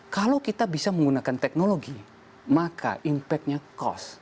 kalau kita bisa menggunakan teknologi maka impact nya cost